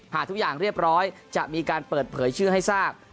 หากทุกอย่างเรียบร้อยจะมีการเปิดเผยชื่อให้ทราบ